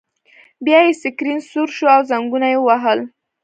بیا یې سکرین سور شو او زنګونه یې ووهل